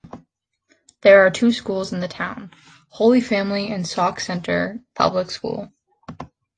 There are two schools in the town: Holy Family and Sauk Centre Public School.